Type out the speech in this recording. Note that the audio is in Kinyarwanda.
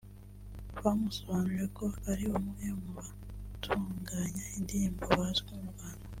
Bamusobanuriye ko ari umwe mu batunganya indirimbo bazwi mu Rwanda